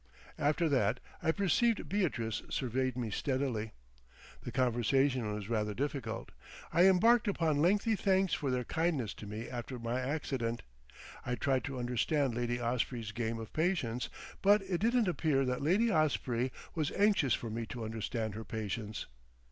After that I perceived Beatrice surveyed me steadily. The conversation was rather difficult. I embarked upon lengthy thanks for their kindness to me after my accident. I tried to understand Lady Osprey's game of patience, but it didn't appear that Lady Osprey was anxious for me to understand her patience.